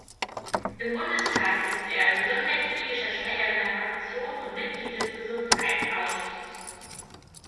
Im Bundestag ist er gesundheitspolitischer Sprecher seiner Fraktion und Mitglied des Gesundheitsausschusses.